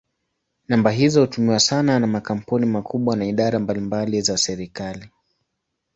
Namba hizo hutumiwa sana na makampuni makubwa na idara mbalimbali za serikali.